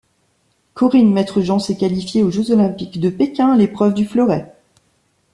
Corinne Maîtrejean s'est qualifiée aux Jeux olympiques de Pékin à l'épreuve du fleuret.